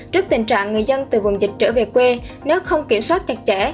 trước tình trạng người dân từ vùng dịch trở về quê nếu không kiểm soát chặt chẽ